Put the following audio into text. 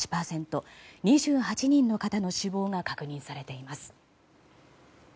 ２８人の方の死亡が確認されています。